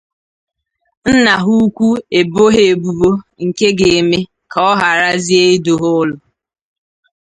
nna ha ukwu ebo ha ebubo nke ga-eme ka ọ gharazie idu ha ụlọ